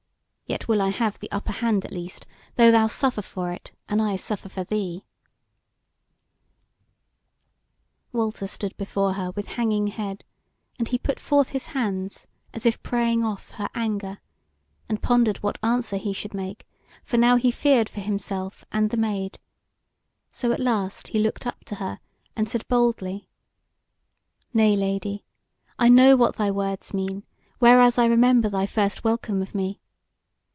Yet will I have the upper hand at least, though thou suffer for it, and I suffer for thee." Walter stood before her with hanging head, and he put forth his hands as if praying off her anger, and pondered what answer he should make; for now he feared for himself and the Maid; so at last he looked up to her, and said boldly: "Nay, Lady, I know what thy words mean, whereas I remember thy first welcome of me.